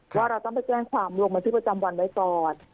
ว่าเราต้องไปแจ้งความลงบันทึกประจำวันไว้ก่อน